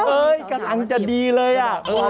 กำลังจะดีเลยอ่ะ